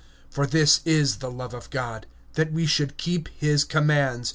(3)For this is the love of God, that we keep his commandments.